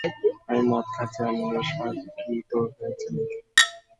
আমি মদ খাচ্ছি আর নেশা কী তোর হয়ে গেছে নাকি।